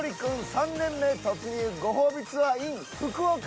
３年目突入ご褒美ツアーｉｎ福岡！